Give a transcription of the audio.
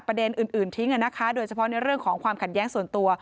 ประเด็นอื่นทิ้งนะคะโดยเฉพาะในเรื่องของความขัดแย้งส่วนตัว